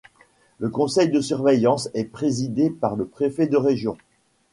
Le conseil de surveillance est présidé par le préfet de région.